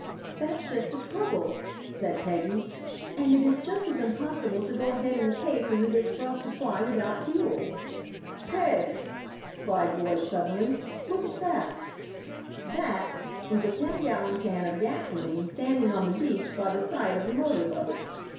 "That's just the trouble," said Peggy, "and it is just as impossible to go ahead in the case as it is for us to fly without fuel." "Peg!" cried Roy, suddenly, "look at that!" "That" was a ten gallon can of gasolene standing on the beach by the side of the motor boat.